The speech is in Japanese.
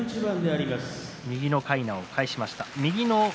右のかいなを返しました。